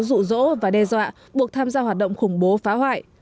dụ dỗ và đe dọa buộc tham gia hoạt động khủng bố phá hoại